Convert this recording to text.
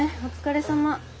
お疲れさま。